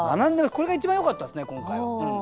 これが一番よかったですね今回。